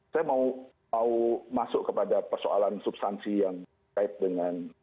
saya mau masuk kepada persoalan substansi yang kait dengan